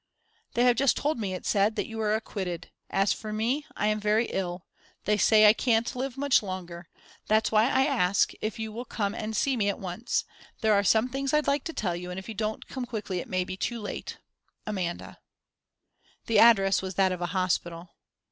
_"They have just told me," it said, "that you are acquitted. As for me, I am very ill. They say I can't live much longer. That's why I ask if you will come and see me at once. There are some things I'd like to tell you, and if you don't come quickly it may be too late."_ AMANDA." The address was that of a hospital.